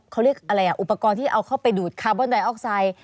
เขาเรียกอะไรอ่ะอุปกรณ์ที่เอาเข้าไปดูดคาร์บอนไดออกไซด์